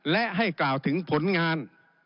และให้กล่าวถึงผลงาน